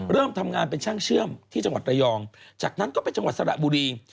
เริ่มทำงานเป็นช่างเชื่อมที่จังหวัดระยองจากนั้นก็ไปจังหวัดสระบุรี